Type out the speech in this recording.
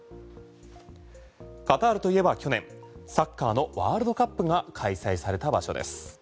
カタールといえば去年サッカーのワールドカップが開催された場所です。